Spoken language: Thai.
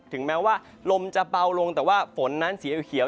ถึงแม้ว่าลมจะเบาลงแต่ว่าฝนนั้นสีเขียว